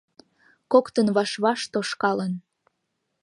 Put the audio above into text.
Коктын ваш-ваш тошкалын